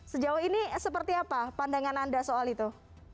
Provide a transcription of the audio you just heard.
sejauh ini seperti apa pandangan anda soal itu